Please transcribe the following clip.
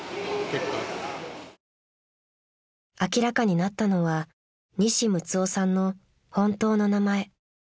［明らかになったのは西六男さんの本当の名前］